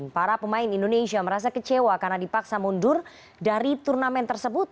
para pemain indonesia merasa kecewa karena dipaksa mundur dari turnamen tersebut